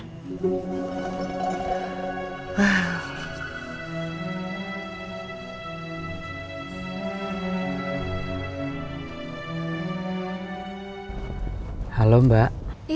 gak usah gila mak gratis